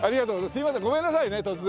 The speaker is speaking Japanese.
すみませんごめんなさいね突然。